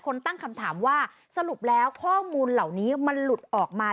ตั้งคำถามว่าสรุปแล้วข้อมูลเหล่านี้มันหลุดออกมา